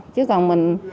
chứ còn mình